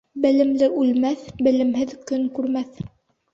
Белемле үлмәҫ, белемһеҙ көн күрмәҫ.